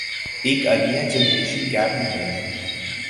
ایک المیہ generation gap بھی ہے